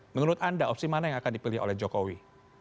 menurut anda opsi mana yang akan dipilih oleh jokowi